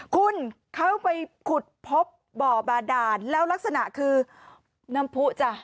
คุณเขาไปขุดพบบ่อบาดานแล้วลักษณะคือน้ำผู้จ้ะ